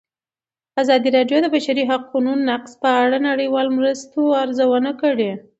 ازادي راډیو د د بشري حقونو نقض په اړه د نړیوالو مرستو ارزونه کړې.